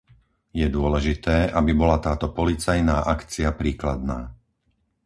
Je dôležité, aby bola táto policajná akcia príkladná.